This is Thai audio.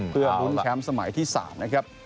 เพื่อลุ้นแชมป์สมัยที่๓นะครับ